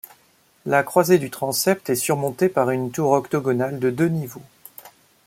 La croisée du transept est surmontée par une tour octogonale de deux niveaux.